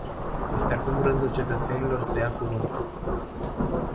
Este acum rândul cetățenilor să ia cuvântul.